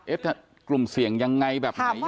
เอ๊ะแต่กลุ่มเสี่ยงยังไงแบบไหนยังไง